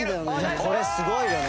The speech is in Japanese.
これすごいよね。